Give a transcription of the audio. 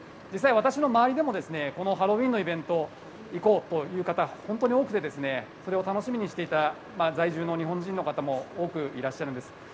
私の周りでもこのハロウィーンのイベントに行こうという方、楽しみにしていた在住の日本人の方も多くいらっしゃるんです。